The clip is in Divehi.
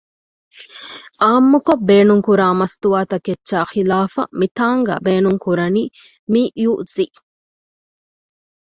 ޢާއްމުކޮށް ބޭނުންކުރާ މަސްތުވާ ތަކެއްޗާ ޚިލާފަށް މިތާނގައި ބޭނުން ކުރަނީ މިޔުޒިއް